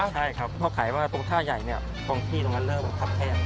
ใช่ครับพ่อขายมาตรงท่าใหญ่เนี่ยพร้อมที่ตรงนั้นเริ่มทับแทบ